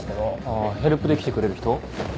あヘルプで来てくれる人？